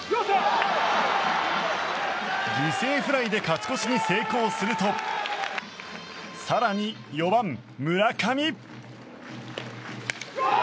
犠牲フライで勝ち越しに成功すると更に、４番、村上。